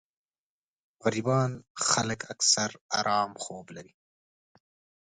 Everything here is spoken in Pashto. غريبان خلک اکثر ارام خوب لري